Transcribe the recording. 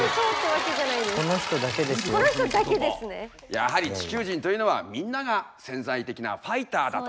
やはり地球人というのはみんなが潜在的なファイターだと。